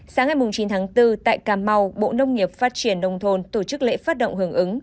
sáng ngày chín tháng bốn tại cà mau bộ nông nghiệp phát triển nông thôn tổ chức lễ phát động hưởng ứng